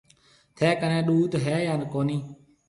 ٿَي ڪنَي ڏوڌ هيَ يان ڪونَي